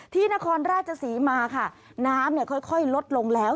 นครราชศรีมาค่ะน้ำค่อยลดลงแล้ว